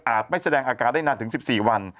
ไม่แสดงอาการได้นานถึง๑๔วัน